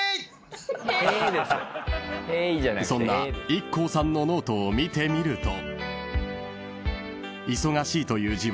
［そんなＩＫＫＯさんのノートを見てみると］